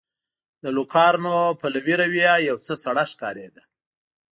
د لوکارنو پلوي رویه یو څه سړه ښکارېده.